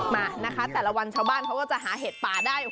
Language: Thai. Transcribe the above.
มานะคะแต่ละวันชาวบ้านเขาก็จะหาเห็ดป่าได้